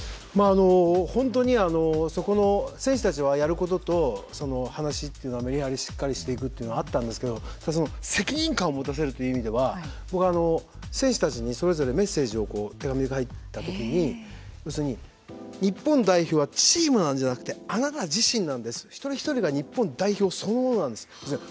本当にそこの選手たちはやることと話というのはしっかりしていくというのはあったんですけど責任感を持たせるという意味では僕は選手たちにメッセージを手紙で書いた時に要するに、日本代表はチームなんじゃなくてあなた自身なんです１人１人が日本代表そのものなんです。